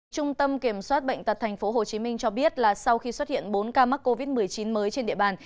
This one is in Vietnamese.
trung tâm kiểm soát bệnh tật tp hcm cho biết là sau khi xuất hiện bốn ca mắc covid một mươi chín mới trên địa bàn